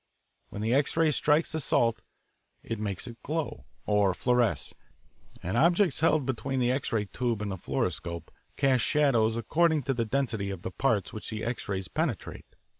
When the X ray strikes this salt it makes it glow, or fluoresce, and objects held between the X ray tube and the fluoroscope cast shadows according to the density of the parts which the X rays penetrate.